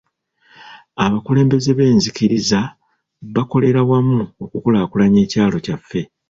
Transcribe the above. Abakulembeze b'nzikiriza bakolera wamu okukulaakulanya ekyalo kyaffe.